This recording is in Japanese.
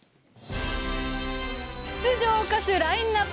出場歌手ラインナップ！